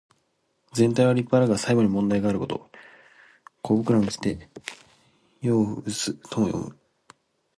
全体は立派だが細部に問題があること。「狐裘にして羔袖す」とも読む。